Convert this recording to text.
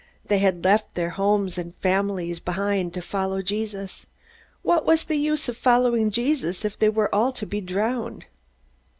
They had left their homes and families behind, to follow Jesus. What was the use of following Jesus if they were all to be drowned?